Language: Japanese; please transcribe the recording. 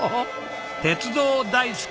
鉄道大好き！